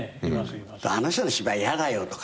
あの人の芝居やだよとかさ。